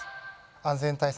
安全対策